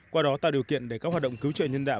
qua đó tạo điều kiện để các hoạt động cứu trợ nhân đạo